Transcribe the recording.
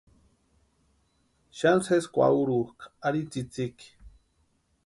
Xani sesi kwaurhukʼa ari tsïtsïki.